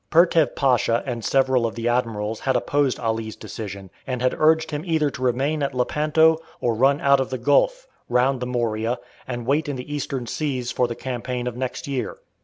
Pertev Pasha and several of the admirals had opposed Ali's decision, and had urged him either to remain at Lepanto, or run out of the gulf, round the Morea, and wait in the eastern seas for the campaign of next year.